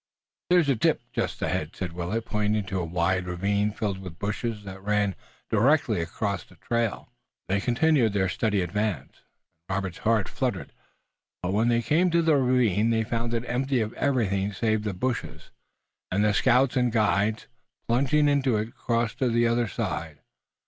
"There's a dip just ahead," said Willet, pointing to a wide ravine filled with bushes that ran directly across the trail. They continued their steady advance, and Robert's heart fluttered, but when they came to the ravine they found it empty of everything save the bushes, and the scouts and guides, plunging into it, crossed to the other side.